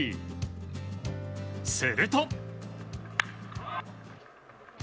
すると。